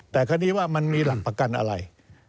แต่คดีว่ามันมีหลักประกันอะไร